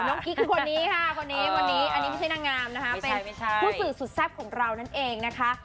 กิ๊กคือคนนี้ค่ะคนนี้คนนี้อันนี้ไม่ใช่นางงามนะคะเป็นผู้สื่อสุดแซ่บของเรานั่นเองนะคะ